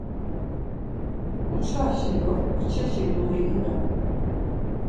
Uçaşi do kçeşi luği iven.